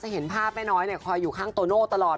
เห็นภาพแม่น้อยคอยอยู่ข้างโตโน่ตลอด